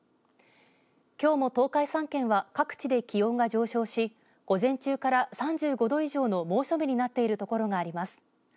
きょうも東海３県は各地で気温が上昇し午前中から３５度以上の猛暑日になっている所があります。